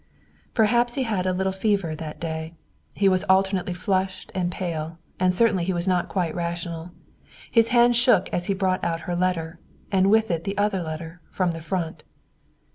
Perhaps he had a little fever that day. He was alternately flushed and pale; and certainly he was not quite rational. His hand shook as he brought out her letter and with it the other letter, from the Front.